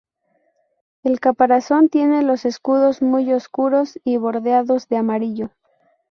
El caparazón tiene los escudos muy oscuros y bordeados de amarillo.